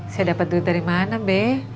saya dapet duit dari mana be